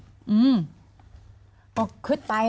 คือภาพข่าวมันออกมาคือคนก็กังวล